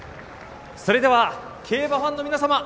それでは競馬ファンの皆様